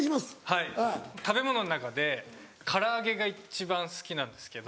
はい食べ物の中で唐揚げが一番好きなんですけど。